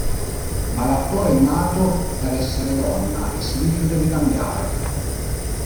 Ma l'attore è nato per "essere donna" e si rifiuta di cambiare.